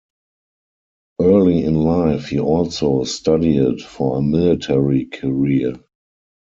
Early in life he also studied for a military career.